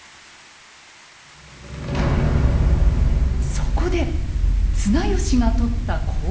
そこで綱吉がとった行動は。